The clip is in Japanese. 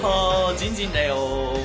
じんじんだよ！